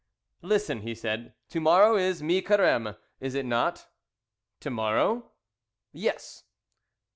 "Listen," he said, "to morrow is Mi Careme, is it not?" "To morrow?" "Yes."